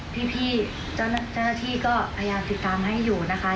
พี่เจ้าหน้าที่ก็พยายามติดตามให้อยู่นะคะ